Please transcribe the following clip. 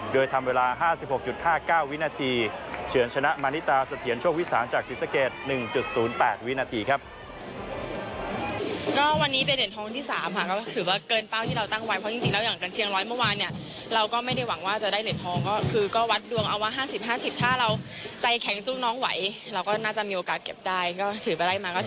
โดยทำเวลา๕๖๕๙วินาทีเฉินชนะมานิตาเสถียรโชควิสานจากศรีสะเกด๑๐๘วินาทีครับ